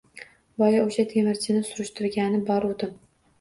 Boya o‘sha temirchini surishtirgani boruvdim